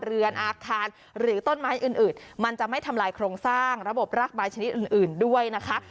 เรือนอาคารหรือต้นไม้อื่นมันจะไม่ทำลายโครงสร้างระบบรากบายชนิดอื่นด้วยนะคะ